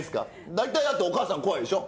大体だってお母さん怖いでしょ？